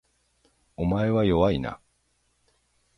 お前は弱いな